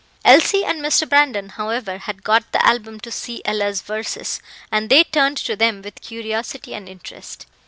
Elsie and Mr. Brandon, however, had got the album to see Ella's verses, and they turned to them with curiosity and interest.